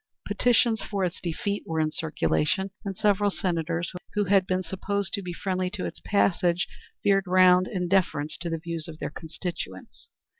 Petitions for its defeat were in circulation, and several Senators who had been supposed to be friendly to its passage veered round in deference to the views of their constituents.